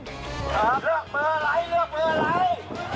ครับเลือกเมื่อไรเลือกเมื่อไร